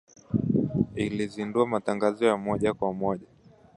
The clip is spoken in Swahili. Ilizindua matangazo ya moja kwa moja